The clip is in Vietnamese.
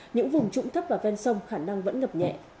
những vùng trũng thấp và ven sông khả năng vẫn ngập nhẹ